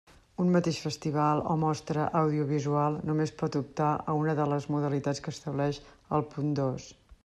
Un mateix festival o mostra audiovisual només pot optar a una de les modalitats que estableix el punt dos.